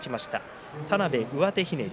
田邉、上手ひねり。